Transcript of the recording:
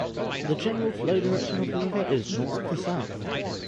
The general flow direction of the river is north to south.